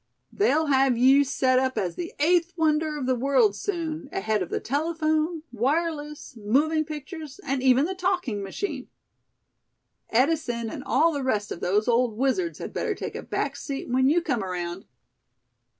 They'll have you set up as the eighth wonder of the world soon, ahead of the telephone, wireless, moving pictures, and even the talking machine. Edison and all the rest of those old wizards had better take a back seat when you come around."